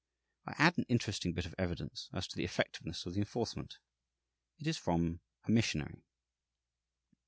I add an interesting bit of evidence as to the effectiveness of the enforcement. It is from a missionary.